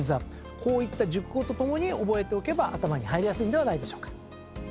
こういった熟語とともに覚えておけば頭に入りやすいんではないでしょうか。